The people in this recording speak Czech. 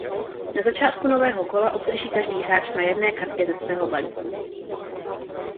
Na začátku nového kola obdrží každý hráč po jedné kartě ze svého balíku.